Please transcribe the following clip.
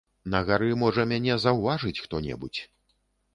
На гары, можа, мяне заўважыць хто-небудзь.